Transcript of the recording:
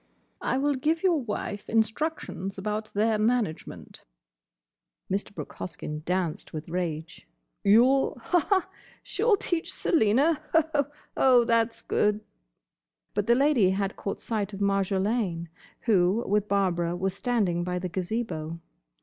"I will give your wife instructions about their management—" Mr. Brooke Hoskyn danced with rage. "You'll—haha!—She'll teach Selina!—Hoho!—Oh, that's good!" But the Lady had caught sight of Marjolaine, who with Barbara was standing by the Gazebo.